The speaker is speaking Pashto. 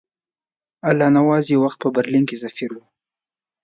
الله نواز یو وخت په برلین کې سفیر وو.